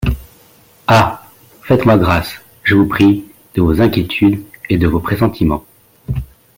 Ah ! faites-moi grâce, je vous prie, de vos inquiétudes et de vos pressentiments.